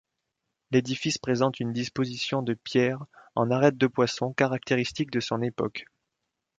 L'édifice présente une disposition de pierres en arêtes-de-poisson caractéristique de son époque.